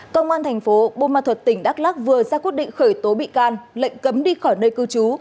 công an thành phố bô ma thuật tỉnh đắk lắc vừa ra quyết định khởi tố bị can lệnh cấm đi khỏi nơi cư trú